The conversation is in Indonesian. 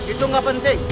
itu gak penting